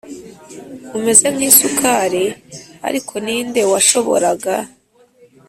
umeze nkisuri ariko ninde washoboraga